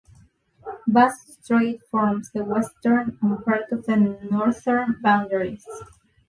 Bass Strait forms the western and part of the northern boundaries.